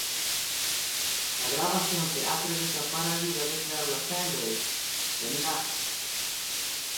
La grabación se acredita para ayuda de crear la Fan Base de Minaj.